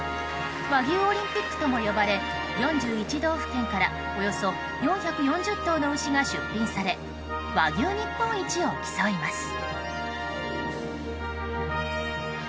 和牛オリンピックとも呼ばれ４１道府県からおよそ４４０頭の牛が出品され和牛日本一を競います。